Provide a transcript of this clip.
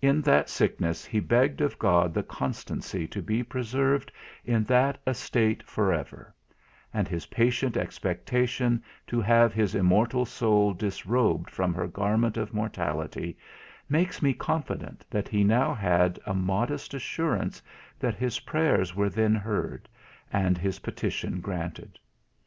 In that sickness he begged of God the constancy to be preserved in that estate for ever; and his patient expectation to have his immortal soul disrobed from her garment of mortality, makes me confident that he now had a modest assurance that his prayers were then heard, and his petition granted.